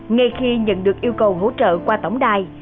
ngay khi nhận được yêu cầu hỗ trợ qua tổng đài